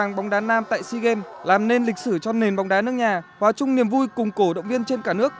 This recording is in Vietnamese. hàng bóng đá nam tại sea games làm nên lịch sử cho nền bóng đá nước nhà hòa chung niềm vui cùng cổ động viên trên cả nước